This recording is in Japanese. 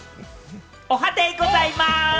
おはデイございます！